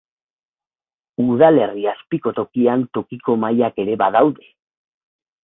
Udalerri azpiko tokian tokiko mailak ere badaude.